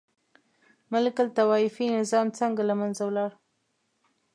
ملوک الطوایفي نظام څنګه له منځه ولاړ؟